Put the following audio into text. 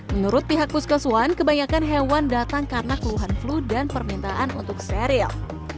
menurut pihak puskeswan kebanyakan hewan datang karena keluhan flu dan permintaan untuk steril